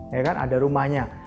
ya kan ada rumahnya